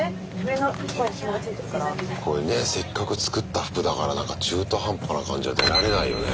こういうねせっかく作った服だから中途半端な感じじゃ出られないよね。